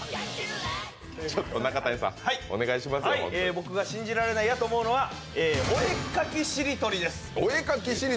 僕が信じられないやと思うのはお絵描きしりとりです。